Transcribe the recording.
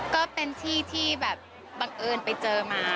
ก็เป็นที่ที่แบบบังเอิญไปเจอมา